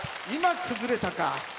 今、崩れたか。